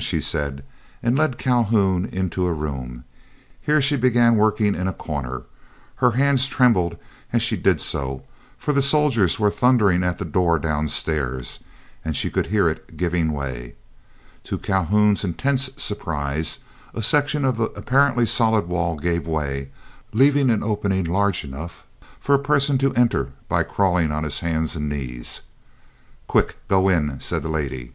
she said, and led Calhoun into a room. Here she began working in a corner. Her hands trembled as she did so, for the soldiers were thundering at the door downstairs, and she could hear it giving way. To Calhoun's intense surprise, a section of the apparently solid wall gave way, leaving an opening large enough for a person to enter by crawling on his hands and knees. "Quick, go in!" said the lady.